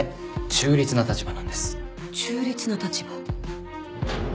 中立な立場。